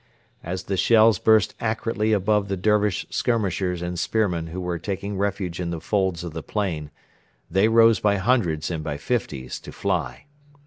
As the shells burst accurately above the Dervish skirmishers and spearmen who were taking refuge in the folds of the plain, they rose by hundreds and by fifties to fly.